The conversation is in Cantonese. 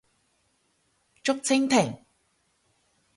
竹蜻蜓